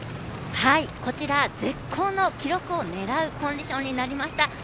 こちら、絶好の記録を狙うコンディションになりました。